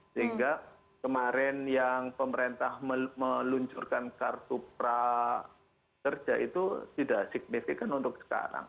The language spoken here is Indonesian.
sehingga kemarin yang pemerintah meluncurkan kartu prakerja itu tidak signifikan untuk sekarang